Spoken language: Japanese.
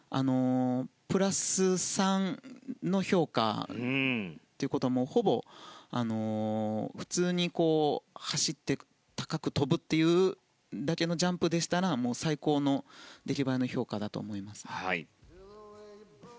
プラス３の評価ということはほぼ普通に走って高く跳ぶというだけのジャンプだと最高の出来栄えの評価だと思います。